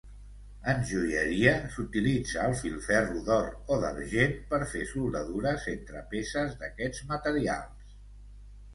En joieria, s'utilitza el filferro d'or o d'argent, per fer soldadures entre peces d'aquests materials.